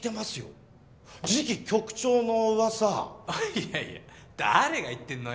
いやいや誰が言ってんのよ。